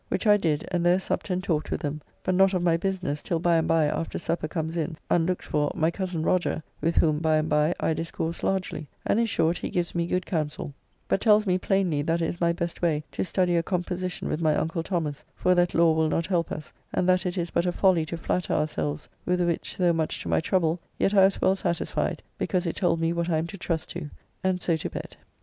Which I did, and there supped and talked with them, but not of my business till by and by after supper comes in, unlooked for, my cozen Roger, with whom by and by I discoursed largely, and in short he gives me good counsel, but tells me plainly that it is my best way to study a composition with my uncle Thomas, for that law will not help us, and that it is but a folly to flatter ourselves, with which, though much to my trouble, yet I was well satisfied, because it told me what I am to trust to, and so to bed.